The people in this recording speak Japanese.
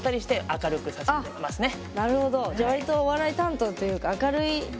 じゃあ割とお笑い担当というか明るい？